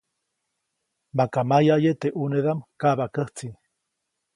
Maka mayaʼye teʼ ʼnunedaʼm kaʼbaʼkäjtsi.